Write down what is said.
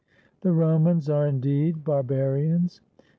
The Romans are indeed barba rians.